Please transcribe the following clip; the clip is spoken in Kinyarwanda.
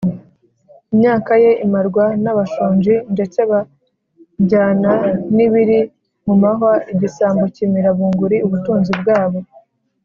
imyaka ye imarwa n’abashonji, ndetse bajyana n’ibiri ma mahwa, igisambo kimira bunguri ubutunzi bwabo